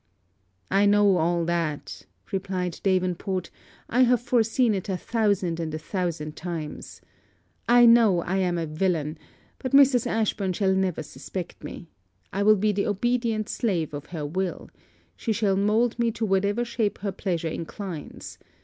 'I know all that,' replied Davenport. 'I have foreseen it a thousand and a thousand times. I know I am a villain; but Mrs. Ashburn shall never suspect me. I will be the obedient slave of her will. She shall mould me to whatever shape her pleasure inclines.